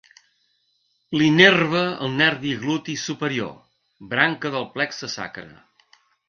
L'innerva el nervi gluti superior, branca del plexe sacre.